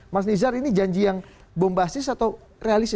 mas nizar ini janji yang bombastis atau realistis